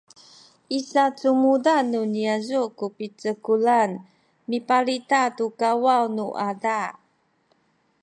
i sacumudan nu niyazu’ ku picekulan mipalita tu kakawaw nu ada